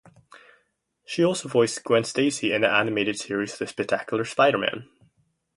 She also voiced Gwen Stacy in the animated series "The Spectacular Spider-Man".